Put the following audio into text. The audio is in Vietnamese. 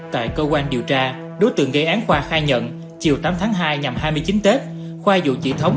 tại cơ quan điều tra đối tượng gây án khoa khai nhận chiều tám tháng hai nhằm hai mươi chín tết khoa dụ chị thống